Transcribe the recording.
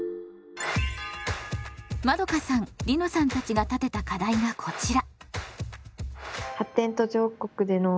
まどかさんりのさんたちが立てた課題がこちら。